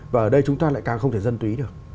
và ở đây chúng ta lại càng không thể dân túy được